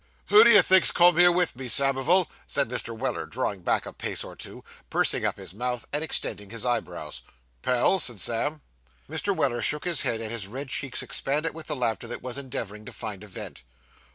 'Who do you think's come here with me, Samivel?' said Mr. Weller, drawing back a pace or two, pursing up his mouth, and extending his eyebrows. 'Pell?' said Sam. Mr. Weller shook his head, and his red cheeks expanded with the laughter that was endeavouring to find a vent.